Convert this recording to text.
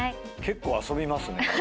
結構遊びますね。